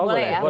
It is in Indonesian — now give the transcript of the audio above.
boleh ya boleh